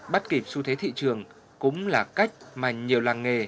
bắt kịp xu thế thị trường cũng là cách mà nhiều làng nghề